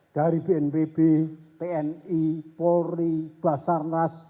dari bnpb tni polri basarnas